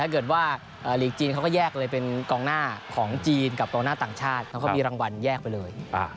ถ้าเกิดว่าลีกจีนเขาก็แยกเลยเป็นกองหน้าของจีนกับกองหน้าต่างชาติเขาก็มีรางวัลแยกไปเลย